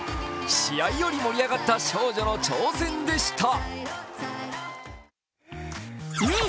試合より盛り上がった少女の挑戦でした。